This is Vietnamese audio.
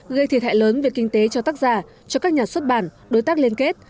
gây thiệt hại lớn về kinh tế cho tác giả cho các nhà xuất bản đối tác liên kết